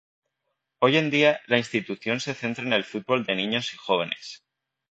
Hoy en día la institución se centra en el fútbol de niños y jóvenes.